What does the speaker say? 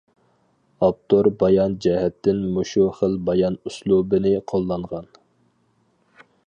ئاپتور بايان جەھەتتىن مۇشۇ خىل بايان ئۇسلۇبىنى قوللانغان.